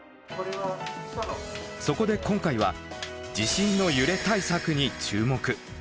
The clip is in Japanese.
そこで今回は地震の揺れ対策に注目。